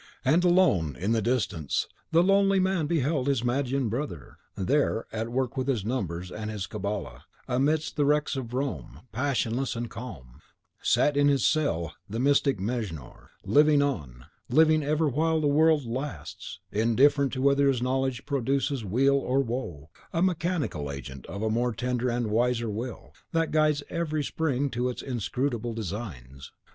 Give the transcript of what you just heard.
And alone, in the distance, the lonely man beheld his Magian brother. There, at work with his numbers and his Cabala, amidst the wrecks of Rome, passionless and calm, sat in his cell the mystic Mejnour, living on, living ever while the world lasts, indifferent whether his knowledge produces weal or woe; a mechanical agent of a more tender and a wiser will, that guides every spring to its inscrutable designs.